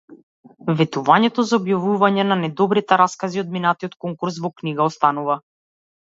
Ветувањето за објавување на најдобрите раскази од минатиот конкурс во книга останува.